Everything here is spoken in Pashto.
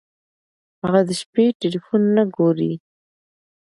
هغه د شپې ټیلیفون نه ګوري.